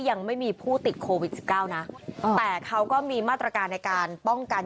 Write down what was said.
ยังไม่มีผู้ติดโควิดสิบเก้านะแต่เขาก็มีมาตรการในการป้องกัน